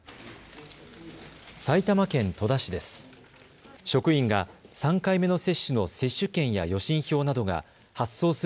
埼玉県戸田市です。